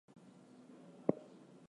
She was raised in the Catholic faith.